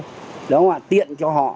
đúng không ạ tiện cho họ